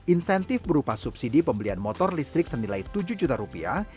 insentif berupa subsidi pembelian motor listrik senilai tujuh juta rupiah